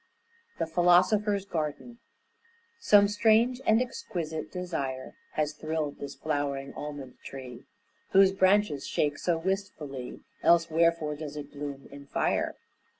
THE PHILOSOPHER'S GARDEN Some strange and exquisite desire Has thrilled this flowering almond tree Whose branches shake so wistfully, Else wherefore does it bloom in fire?